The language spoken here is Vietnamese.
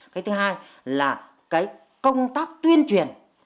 cái thứ hai là công tác tuyên truyền